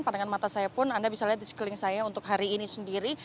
pandangan mata saya pun anda bisa lihat di sekeliling saya untuk hari ini sendiri